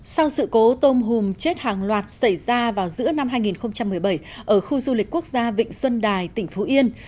sau sự cố tôm hùm chết hàng loạt xảy ra vào giữa năm hai nghìn một mươi bảy ở khu du lịch quốc gia vịnh xuân đài tỉnh phú yên